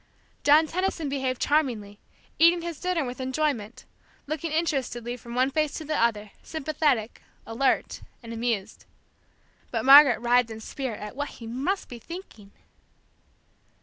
John Tenison behaved charmingly, eating his dinner with enjoyment, looking interestedly from one face to the other, sympathetic, alert, and amused. But Margaret writhed in spirit at what he must be thinking.